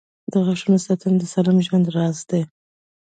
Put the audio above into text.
• د غاښونو ساتنه د سالم ژوند راز دی.